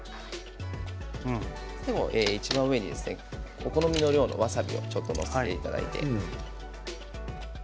最後、いちばん上にお好みの量のわさびをちょっと載せていただいて。